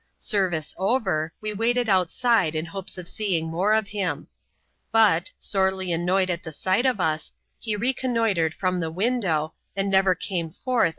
Service over, we waited outside in hopes of seeing more of him ; but, sorely annoyed at the sight of us, he reconnoitred from the window, and never came fort\i \u)i^"?